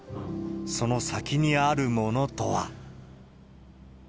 その先にあるものとは。